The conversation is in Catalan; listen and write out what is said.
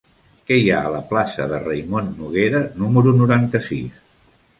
Què hi ha a la plaça de Raimon Noguera número noranta-sis?